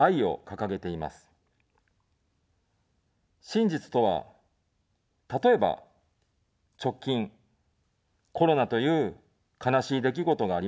真実とは、例えば、直近、コロナという悲しい出来事がありました。